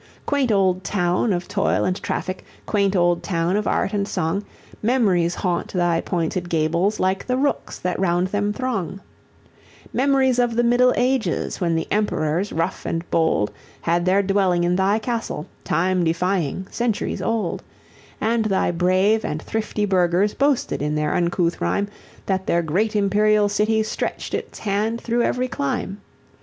Quaint old town of toil and traffic, quaint old town of art and song, Memories haunt thy pointed gables like the rooks that round them throng: Memories of the Middle Ages, when the Emperors, rough and bold, Had their dwelling in thy castle, time defying, centuries old; And thy brave and thrifty burghers boasted, in their uncouth rhyme, That their great imperial city stretched its hand thro' every clime.